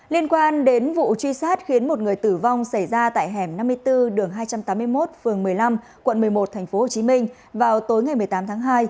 liên quan đến vụ truy sát khiến một người tử vong xảy ra tại hẻm năm mươi bốn đường hai trăm tám mươi một phường một mươi năm quận một mươi một tp hcm vào tối ngày một mươi tám tháng hai